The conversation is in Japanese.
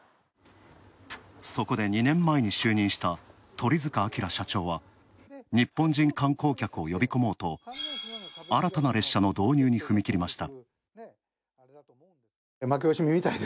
そこで２年前に就任した鳥塚亮社長は、日本人観光客を呼び込もうと、新たな列車の導入に踏み切りました。